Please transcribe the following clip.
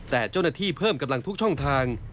แต่เจ้าหน้าที่เพิ่มกำลังทุกช่องทาง